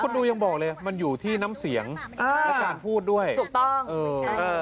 คุณดูยังบอกเลยมันอยู่ที่น้ำเสียงอ่าและการพูดด้วยถูกต้องเออเออ